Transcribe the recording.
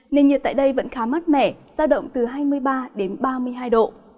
nền nhiệt tại đây vẫn khá mát mẻ sao động từ hai mươi ba đến ba mươi hai độ